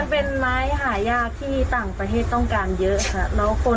เป็นไม้หายากที่ต่างประเทศต้องการเยอะค่ะ